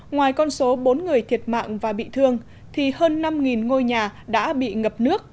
ngoài con số bốn người thiệt mạng và bị thương thì hơn năm ngôi nhà đã bị ngập nước